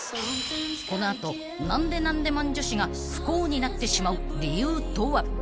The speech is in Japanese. ［この後なんでなんでマン女子が不幸になってしまう理由とは？］